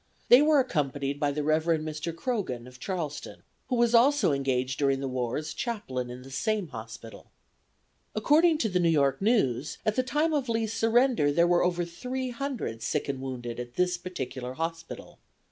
They were accompanied by the Rev. Mr. Croghan, of Charleston, who was also engaged during the war as chaplain in the same hospital. According to the New York News, at the time of Lee's surrender there were over three hundred sick and wounded at this particular hospital.